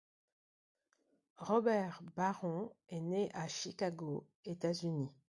Robert Barron est né à Chicago, États-Unis.